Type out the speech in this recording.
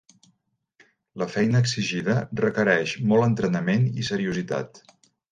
La feina exigida requereix molt entrenament i seriositat.